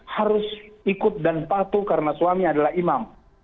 harus ikut dan patuh karena suami adalah imam